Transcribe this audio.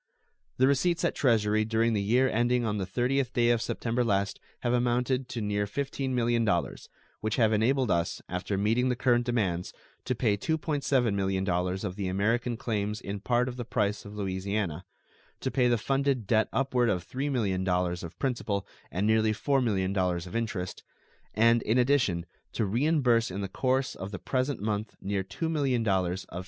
The receipts at the Treasury during the year ending on the 30th day of September last have amounted to near $15 millions, which have enabled us, after meeting the current demands, to pay $2.7 millions of the American claims in part of the price of Louisiana; to pay of the funded debt upward of $3 millions of principal and nearly $4 millions of interest, and, in addition, to reimburse in the course of the present month near $2 millions of 5.